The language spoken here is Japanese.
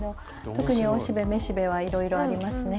特に雄しべ雌しべはいろいろありますね。